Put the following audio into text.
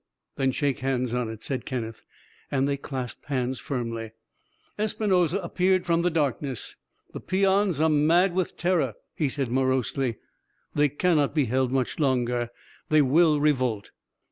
Then shake hands on it," said Kenneth, and they clasped hands firmly. Espinosa appeared from the darkness. "The peons are mad with terror," he said morosely. "They cannot be held much longer. They will revolt."